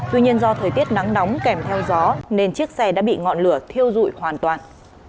tuy nhiên do thời tiết nắng nóng kèm theo gió nên chiếc xe đã bị ngọn lửa thiêu dụi hoàn toàn